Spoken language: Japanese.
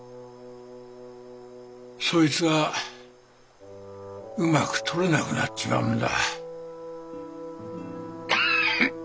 そいつがうまく取れなくなっちまうんだ。